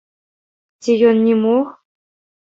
Ці ён не мог?